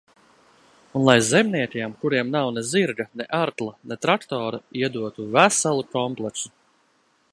Un lai zemniekiem, kuriem nav ne zirga, ne arkla, ne traktora, iedotu veselu kompleksu.